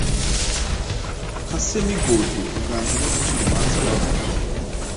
nka semigodikuganza no gucira imanza abapfuye